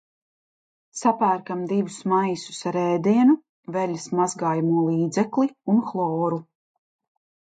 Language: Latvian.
Sapērkam divus maisus ar ēdienu, veļas mazgājamo līdzekli un hloru.